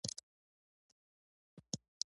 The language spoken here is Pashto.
هغې راته وویل: هغه ضربه چې تا پر سر خوړلې وه شونې وه.